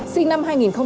xin chào các bạn